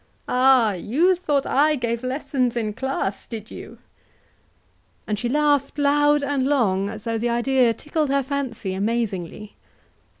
Ah! you thought I gave lessons in class did you?" And she laughed loud and long, as though the idea tickled her fancy amazingly.